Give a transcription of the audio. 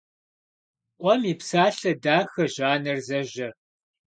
Къуэм и псалъэ дахэщ анэр зэжьэр.